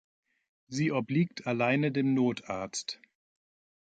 Sie obliegt alleine dem Notarzt.